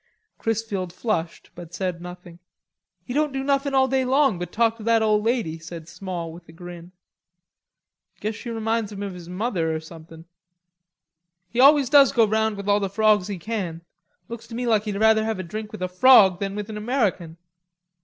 Chrisfield flushed, but said nothing. "He don't do nothing all day long but talk to that ole lady," said Small with a grin. "Guess she reminds him of his mother, or somethin'." "He always does go round with the frogs all he can. Looks to me like he'd rather have a drink with a frog than with an American."